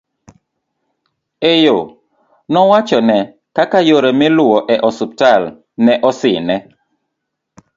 e yo nowachone kaka yore miluwo e ospital ne osine